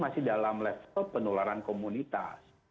masih dalam level penularan komunitas